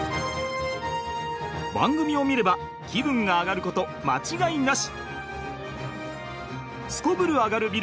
番組を見れば気分がアガること間違いなし！